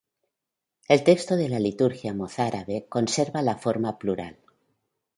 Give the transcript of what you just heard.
El texto de la liturgia mozárabe conserva la forma plural.